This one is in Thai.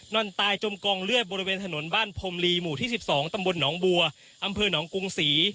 นอนตายจมกองเลือดบริเวณถนนบ้านพรมลีหมู่ที่๑๒ตำบลหนองบัวอำเภอหนองกรุงศรี